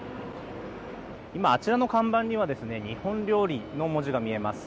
今、あちらの看板には日本料理の文字が見えます。